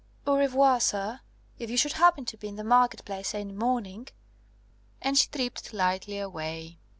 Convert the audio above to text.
Au revoir, sir! If you should happen to be in the market place any morning " And she tripped lightly away.